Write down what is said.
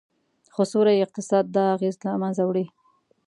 خو سیوري اقتصاد دا اغیز له منځه وړي